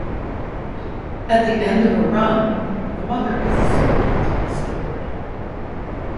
At the end of a run, the mother is certainly to be stored.